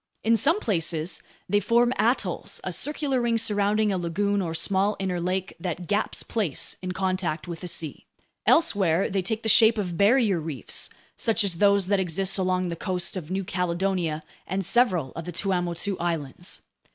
In some places, they form atolls, a circular ring surrounding a lagoon or small inner lake that gaps place in contact with the sea. Elsewhere, they take the shape of barrier reefs, such as those that exist along the coasts of New Caledonia and several of the Tuamotu Islands.